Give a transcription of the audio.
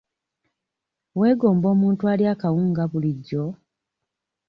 Weegomba omuntu alya akawunga bulijjo?